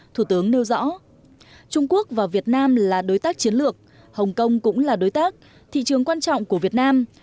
thủ tướng nêu rõ trung quốc và việt nam là đối tác chiến lược hồng kông cũng là đối tác thị trường quan trọng của việt nam